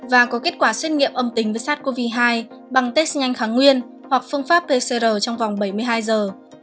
và có kết quả xét nghiệm âm tính với sars cov hai bằng test nhanh kháng nguyên hoặc phương pháp pcr trong vòng bảy mươi hai giờ